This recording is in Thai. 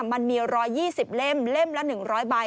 มันมี๑๒๐เล่มเล่มละ๑๐๐ใบ